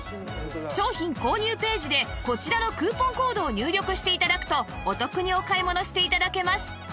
商品購入ページでこちらのクーポンコードを入力して頂くとお得にお買い物して頂けます